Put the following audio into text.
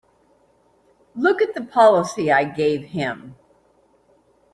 Look at the policy I gave him!